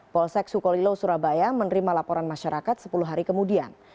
polsek sukolilo surabaya menerima laporan masyarakat sepuluh hari kemudian